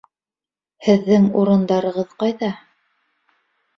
Һеҙҙең урындарығыҙ ҡайҙа?